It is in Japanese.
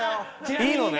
いいのね？